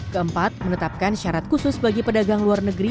keempat menetapkan syarat khusus bagi pedagang luar negeri